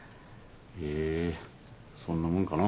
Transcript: へぇそんなもんかな。